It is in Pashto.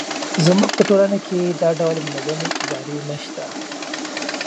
زموږ په ټولنه کې دا ډول منظمې ادارې نه شته.